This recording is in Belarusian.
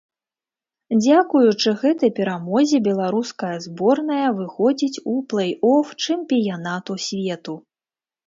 Дзякуючы гэтай перамозе беларуская зборная выходзіць у плэй-оф чэмпіянату свету.